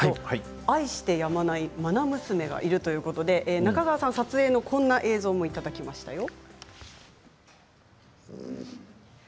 愛してやまない、まな娘がいるということで中川さん撮影のこんな映像もいただきましたよ。